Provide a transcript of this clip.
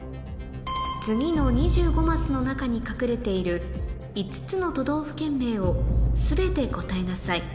次の２５マスの中に隠れている５つの都道府県名を全て答えなさい